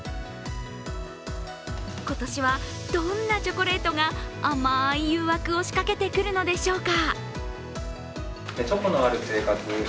今年はどんなチョコレートが甘い誘惑を仕掛けてるくのでしょうか。